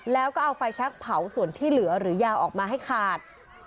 แล้วก็เอาไฟแชคเผาส่วนที่เหลือหรือยาออกมาให้ขาด